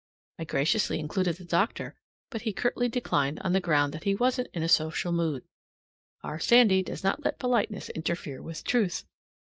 I graciously included the doctor, but he curtly declined on the ground that he wasn't in a social mood. Our Sandy does not let politeness interfere with truth!